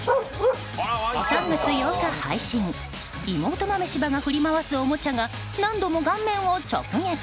３月８日配信妹豆柴が振り回すおもちゃが何度も顔面を直撃。